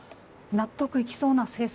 「納得いきそうな政策」。